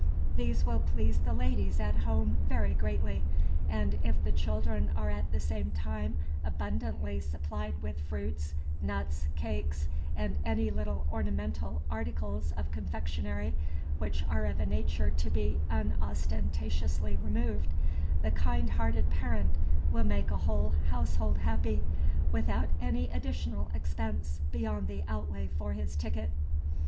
These will please the ladies at home very greatly, and, if the children are at the same time abundantly supplied with fruits, nuts, cakes, and any little ornamental articles of confectionery which are of a nature to be unostentatiously removed, the kind hearted parent will make a whole household happy, without any additional expense beyond the outlay for his ticket.